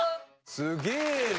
すげえな。